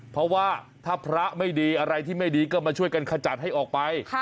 เพราะว่าถ้าพระไม่ดีอะไรที่ไม่ดีก็มาช่วยกันขจัดให้ออกไป